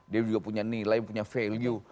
dia juga punya nilai punya value